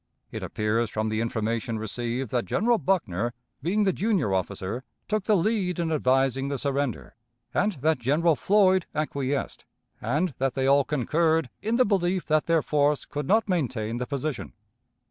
It appears from the information received that General Buckner, being the junior officer, took the lead in advising the surrender, and that General Floyd acquiesced, and that they all concurred in the belief that their force could not maintain the position.